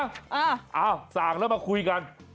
อ้าวสั่งแล้วมาคุยกัน